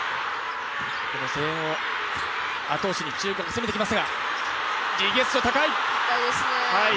この声援を後押しに中国が攻めていきます。